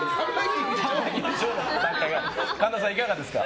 神田さん、いかがですか。